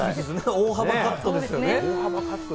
大幅カットだよね。